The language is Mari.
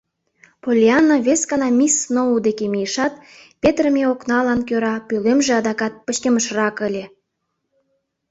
Поллианна вес гана мисс Сноу деке мийышат, петырыме окналан кӧра пӧлемже адакат пычкемышрак ыле.